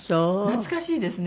懐かしいですね。